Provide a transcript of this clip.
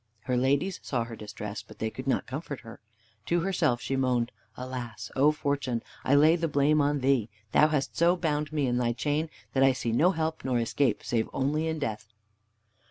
Her ladies saw her distress, but they could not comfort her. To herself she moaned, "Alas, O Fortune, I lay the blame on thee; thou hast so bound me in thy chain, that I see no help nor escape save only in death."